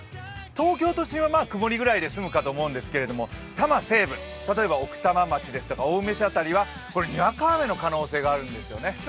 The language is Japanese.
東京都心は曇りぐらいで済むと思うんですけど多摩西部、例えば奥多摩町ですとか青梅市辺りはにわか雨の可能性があるんですよね。